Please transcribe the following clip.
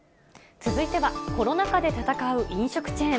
続いては、コロナ禍で闘う飲食チェーン。